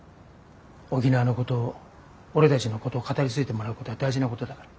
沖縄のこと俺たちのことを語り継いでもらうことは大事なことだから。